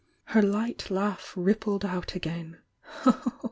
Her light laugh rippled out again.